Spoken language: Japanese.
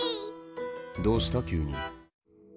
どうした急に！？